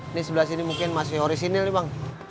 ini sebelah sini mungkin mas fiori sinil nih bang